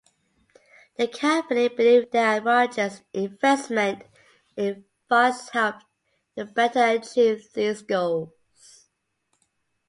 The company believed that Rogers' investment in Vice helped to better achieve these goals.